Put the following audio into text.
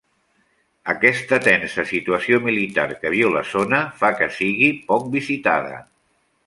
Aquesta tensa situació militar que viu la zona fa que sigui poc visitada.